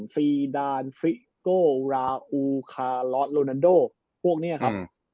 ซีดานฟริโกราอูคาลอสโลนันโดพวกนี้ครับ